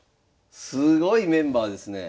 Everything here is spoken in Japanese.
すごいメンバーですね。